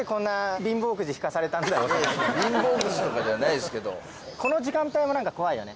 貧乏くじとかじゃないですけどこの時間帯も何か怖いよね